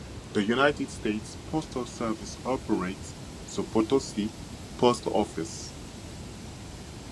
The United States Postal Service operates the Potosi Post Office.